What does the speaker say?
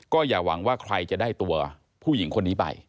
อย่าหวังว่าใครจะได้ตัวผู้หญิงคนนี้ไป